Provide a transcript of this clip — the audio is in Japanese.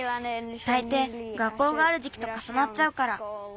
たいてい学校があるじきとかさなっちゃうから。